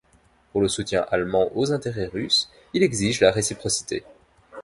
Pour le soutien allemand aux intérêts russes, il exige la réciprocité.